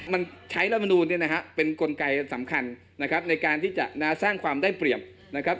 มันใช้ละมนูเป็นกลไกสำคัญในการที่จะสร้างความได้เปรียบ